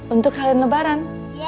untuk kalian lebaran